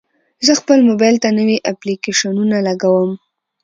زه خپل موبایل ته نوي اپلیکیشنونه لګوم.